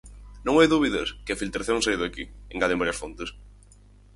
"Non hai dúbidas que a filtración saíu de aquí", engaden varias fontes.